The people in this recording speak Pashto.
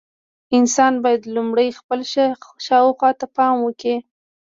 انسان باید لومړی خپل شاوخوا ته پام وکړي.